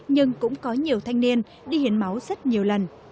nhưng cũng có nhiều thanh niên đi hiến máu rất nhiều lần